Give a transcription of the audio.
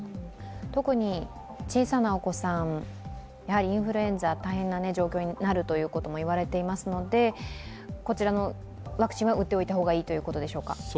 特に小さなお子さん、やはりインフルエンザ、大変な状況になるといわれていますのでこちらのワクチンは打っておいた方がいいということでしょうか。